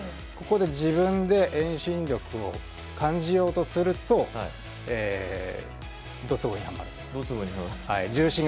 ここで自分で遠心力を感じようとするとどつぼにはまる。